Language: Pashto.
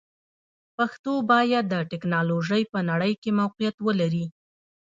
پښتو باید د ټکنالوژۍ په نړۍ کې موقعیت ولري.